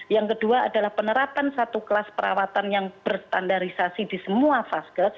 yang kedua adalah penerapan satu kelas perawatan yang berstandarisasi di semua vaskes